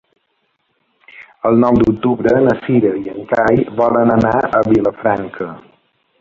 El nou d'octubre na Cira i en Cai volen anar a Vilafranca.